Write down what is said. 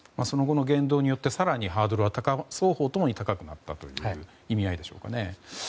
その後の言動によって更にハードルは双方とも高くなったという意味合いでしょうかね。